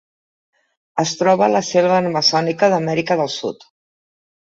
Es troba a la selva amazònica d'Amèrica del Sud.